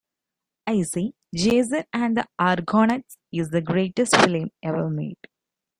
I say "Jason and the Argonauts" is the greatest film ever made".